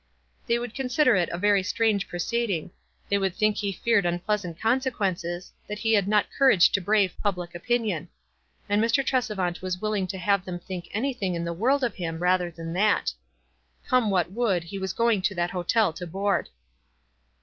They would consider it a very strange proceeding — they would think he feared unpleasant consequences — that he had not courage to brave public opinion. And Mr. Tresevant was willing to have them think any thing in the world of him rather than that. Come what would, he was going to that hotel to board.